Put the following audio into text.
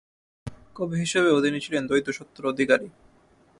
কবি হিসেবেও তিনি ছিলেন দ্বৈতসত্তার অধিকারী।